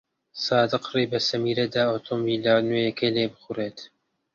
سادق ڕێی بە سەمیرە دا ئۆتۆمۆبیلە نوێیەکەی لێ بخوڕێت.